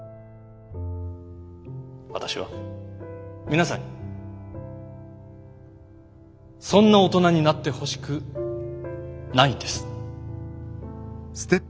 私は皆さんにそんな大人になってほしくないんです。